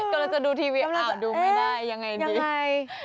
กำลังจะดูทีวีอ้าวดูไม่ได้ยังไงดีใช่